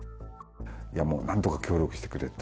いやもう、なんとか協力してくれと。